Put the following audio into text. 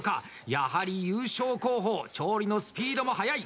やはり優勝候補調理のスピードもはやい！